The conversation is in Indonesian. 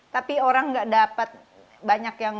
tapi orang nggak dapat banyak yang